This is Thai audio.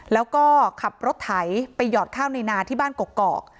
แล้วก็ขับรถไถไปหยอดข้าวในนาที่บ้านกกอก